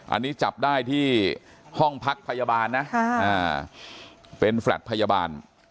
อันนี้จับได้ที่ห้องพักพยาบาลนะเป็นแฟลตพยาบาล